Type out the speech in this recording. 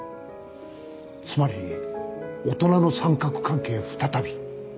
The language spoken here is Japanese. つまり大人の三角関係再び？